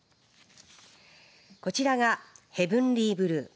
こちらがヘブンリーブルー。